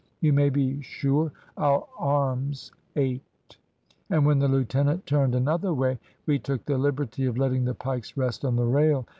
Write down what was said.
You may be sure our arms ached; and when the lieutenant turned another way, we took the liberty of letting the pikes rest on the rail.